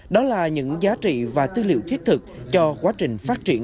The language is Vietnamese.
đó là những giá trị và tư liệu thiết thực cho quá trình phát triển